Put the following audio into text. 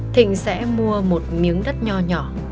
thịnh sẽ mua một miếng đất nho nhỏ